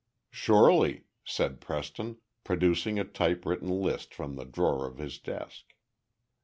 "Surely," said Preston, producing a typewritten list from the drawer of his desk.